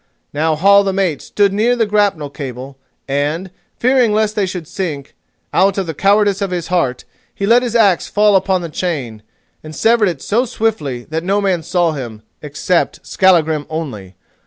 Now, Hall the mate stood near to the grapnel cable, and, fearing lest they should sink, out of the cowardice of his heart, he let his axe fall upon the chain, and severed it so swiftly that no man saw him, except Skallagrim only.